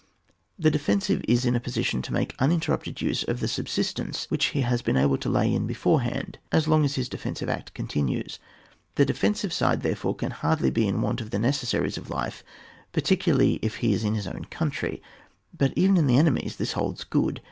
The defensive is in a position to make uninterrupted use of the subsistence which he has been able to lay in before hand, as long as his defensive act con tinues. The defensive side therefore can hardly be in want of the necessaries of life, particularly if he is in his own country; but even in the enemy's this holds good.